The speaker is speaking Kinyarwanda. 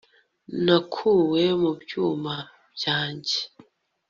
nakuwe mu byuma byanjye